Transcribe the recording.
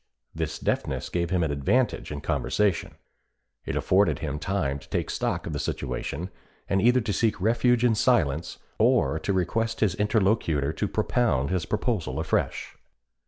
This deafness gave him an advantage in conversation; it afforded him time to take stock of the situation, and either to seek refuge in silence or to request his interlocutor to propound his proposal afresh.